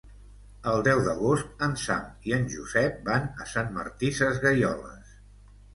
El deu d'agost en Sam i en Josep van a Sant Martí Sesgueioles.